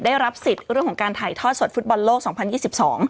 ได้รับสิทธิ์เรื่องของการถ่ายทอดสวดฟุตบอลโลกร๒๐๒๒